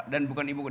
dan bukan ibukota